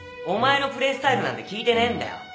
お前のプレースタイルなんて聞いてねえんだよ